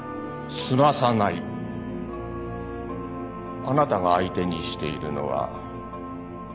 あなたが相手にしているのはある意味国だ。